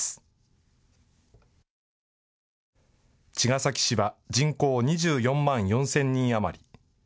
茅ヶ崎市は人口２４万４０００人余り。